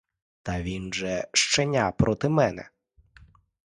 Та він же щеня проти мене!